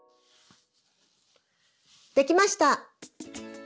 できました。